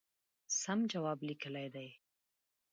سم جواب لیکلی دی.